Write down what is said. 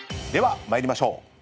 では参りましょう。